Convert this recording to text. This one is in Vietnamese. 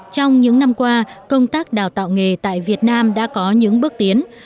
trong những năm qua công tác đào tạo nghề tại việt nam đã có những bước tiến